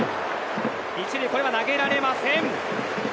１塁、これは投げられません。